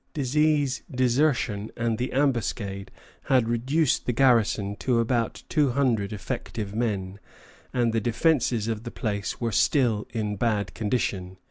Disease, desertion, and the ambuscade had reduced the garrison to about two hundred effective men, and the defences of the place were still in bad condition.